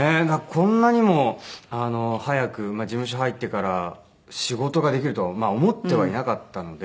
こんなにも早く事務所入ってから仕事ができるとは思ってはいなかったので。